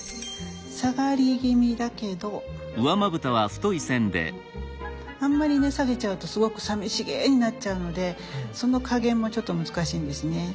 下がり気味だけどあんまり下げちゃうとすごくさみしげになっちゃうのでその加減もちょっと難しいんですね。